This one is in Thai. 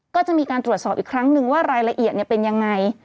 ก็จะมีการตรวจสอบอีกครั้งนึงว่ารายละเอียดเป็นยังไง